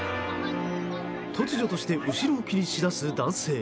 突如として後ろを気にしだす男性。